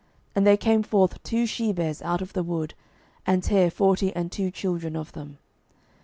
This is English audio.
And there came forth two she bears out of the wood, and tare forty and two children of them.